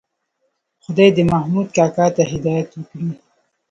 خدای دې محمود کاکا ته هدایت وکړي.